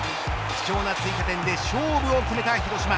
貴重な追加点で勝負を決めた広島。